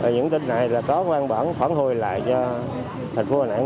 những tỉnh này có văn bản phản hồi lại cho thành phố đà nẵng